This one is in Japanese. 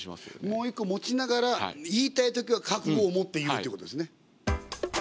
もう一個持ちながら言いたいときは覚悟を持って言うってことですね。